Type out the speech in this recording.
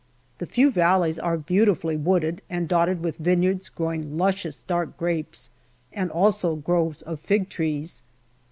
The few valleys are beautifully wooded and dotted with vineyards growing luscious dark grapes, and also groves of fig trees.